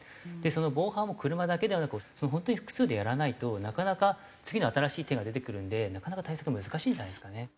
その防犯も車だけではなく本当に複数でやらないとなかなか次の新しい手が出てくるのでなかなか対策難しいんじゃないですかね。